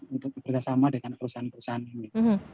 untuk bekerjasama dengan perusahaan perusahaan ini